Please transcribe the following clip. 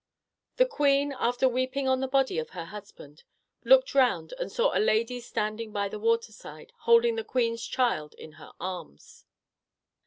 The queen, after weeping on the body of her husband, looked round and saw a lady standing by the water side, holding the queen's child in her arms.